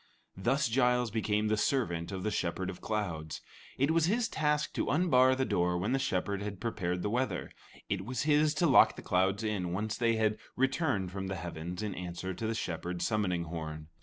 Thus Giles became the servant of the Shepherd of Clouds. It was his task to unbar the door when the Shepherd had prepared the weather; it was his to lock the clouds in, once they had returned from the heavens in answer to the Shepherd's summoning horn.